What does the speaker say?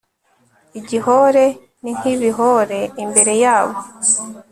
igihore ni nk ibihore imbere yabo